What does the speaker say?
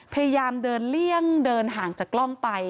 พยายามเดินเลี่ยงเดินห่างจากกล้องไป